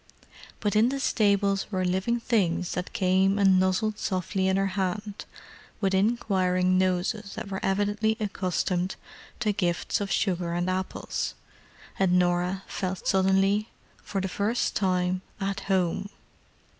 But in the stables were living things that came and nuzzled softly in her hand with inquiring noses that were evidently accustomed to gifts of sugar and apples, and Norah felt suddenly, for the first time, at home.